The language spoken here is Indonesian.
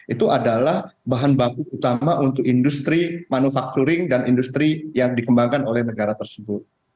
itu adalah bahan baku utama untuk industri manufakturing dan industri yang dikembangkan oleh negara tersebut